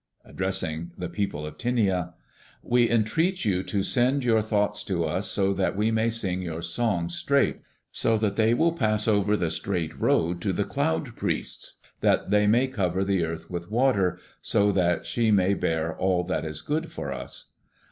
(Addressing the people of Tinia:) We entreat you to send your thoughts to us so that we may sing your songs straight, so that they will pass over the straight road to the Cloud priests that they may cover the earth with water, so that she may bear all that is good for us.